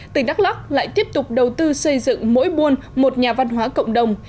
tỉnh đắk lắc lại tiếp tục đầu tư xây dựng mỗi buôn một nhà văn hóa cộng đồng